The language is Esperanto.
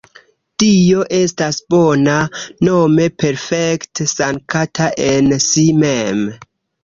Dio estas bona, nome perfekte sankta en si mem.